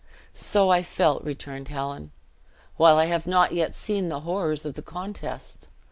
"So I felt," returned Helen, "while I have not yet seen the horrors of the contest.